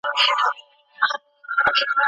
که تیږه وي نو دیوال نه کمزوری کیږي.